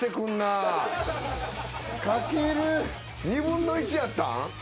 ２分の１やったん？